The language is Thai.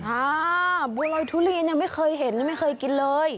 อ่าบัวลอยทุเรียนยังไม่เคยเห็นยังไม่เคยกินเลย